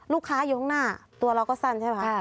ลูกค้าอยู่ข้างหน้าตัวเราก็สั้นใช่ไหมคะ